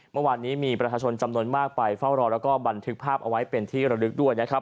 เมื่อวานนี้มีประชาชนจำนวนมากไปเฝ้ารอแล้วก็บันทึกภาพเอาไว้เป็นที่ระลึกด้วยนะครับ